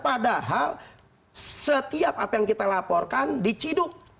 padahal setiap apa yang kita laporkan diciduk